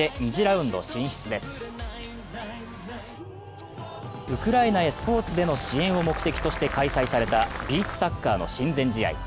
ウクライナへスポーツでの支援を目的として開催されたビーチサッカーの親善試合。